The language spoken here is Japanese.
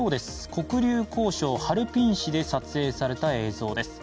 黒竜江省ハルピン市で撮影された映像です。